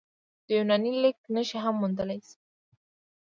د یوناني لیک نښې هم موندل شوي